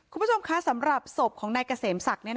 คุณผู้ชมคะสำหรับศพของนายเกษมศักดิ์